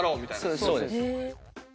そうです。